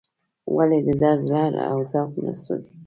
ولې د ده زړه او ذوق نه سوزي.